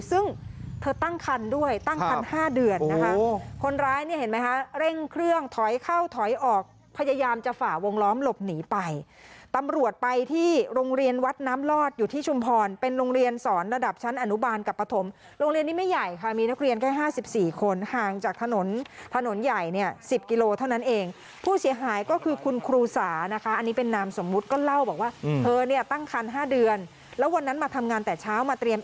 เธอตั้งคันด้วยตั้ง๑๕๐๐เดือนนะโอ้โฮคนร้ายนะเห็นไหมค่ะเร่งเครื่องถอยเข้าถอยออกพยายามจะฝ่าวงล้อมหลบหนีไปตำรวจไปที่โรงเรียนวัดน้ำรอดอยู่ที่ชุมพรเป็นโรงเรียนสอนระดับชั้นอนุบาลกับปฐมโรงเรียนนี้ไม่ใหญ่ค่ะมีนักเรียนใกล้๕หลายคนห่างจากถนนถนนใหญ่เนี่ยสิบกิโลเท่านั้นเองผู้เสี